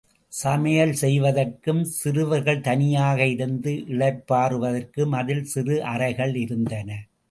சமையல் செய்வதற்கும், சிறுவர்கள் தனியாக இருந்து இளைப்பாறுவதற்கும் அதில் சிறு அறைகள் இருந்தன.